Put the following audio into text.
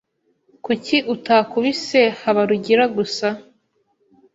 Kuki utakubise Habarugira gusa?